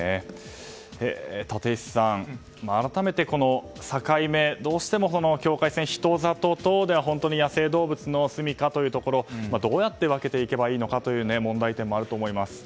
立石さん、改めてこの境目どうしても境界線、人里等では野生動物のすみかというところどうやって分けていけばいいのかという問題点もあると思います。